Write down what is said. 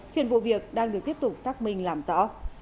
hiện vụ việc đang được tiếp tục xác minh làm rõ